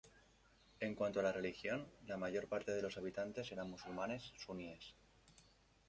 En cuanto a la religión, la mayor parte de los habitantes eran musulmanes suníes.